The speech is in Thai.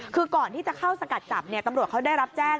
คือก่อนที่จะเข้าสกัดจับตำรวจเขาได้รับแจ้ง